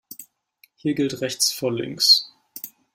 Hier gilt rechts vor links.